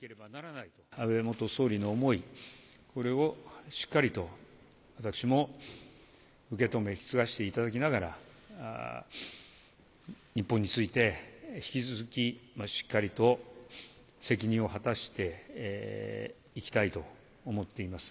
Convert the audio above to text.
安倍元総理の思い、これをしっかりと私も受け止め引き継がせていただきながら、日本について引き続きしっかりと責任を果たしていきたいと思っています。